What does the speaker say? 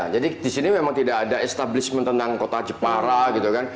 jadi di sini memang tidak ada establishment tentang kota jepara gitu kan